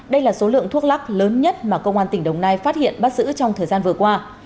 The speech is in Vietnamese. đây là số lượng thuốc lắc lớn nhất mà công an tỉnh đồng nai phát hiện bắt giữ trong thời gian vừa qua